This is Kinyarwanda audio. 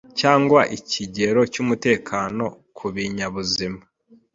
cyangwa ikigero cy'umutekano ku binyabuzima